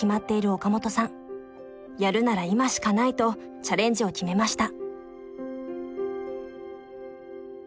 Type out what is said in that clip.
やるなら今しかないとチャレンジを決めました。